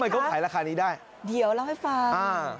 เขาขายราคานี้ได้เดี๋ยวเล่าให้ฟังอ่า